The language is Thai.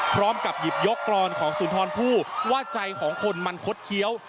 พร้อมกับหยิบยกกรอนของสุนทรพูดว่าใจของคนมันคดเคี้ยว